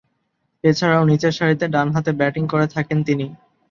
এছাড়াও, নিচেরসারিতে ডানহাতে ব্যাটিং করে থাকেন তিনি।